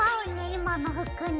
今の服に。